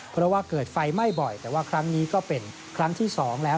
เพราะว่าเกิดไฟไหม้บ่อยแต่ว่าครั้งนี้ก็เป็นครั้งที่๒แล้ว